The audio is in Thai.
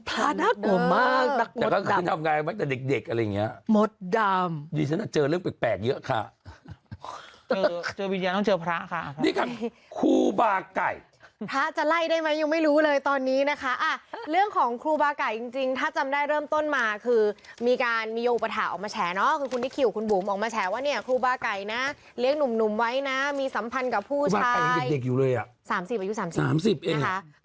เปล่าหรือเปล่าหรือเปล่าหรือเปล่าหรือเปล่าหรือเปล่าหรือเปล่าหรือเปล่าหรือเปล่าหรือเปล่าหรือเปล่าหรือเปล่าหรือเปล่าหรือเปล่าหรือเปล่าหรือเปล่าหรือเปล่าหรือเปล่าหรือเปล่าหรือเปล่าหรือเปล่าหรือเปล่าหรือเปล่าหรือเปล่าหรือเปล่า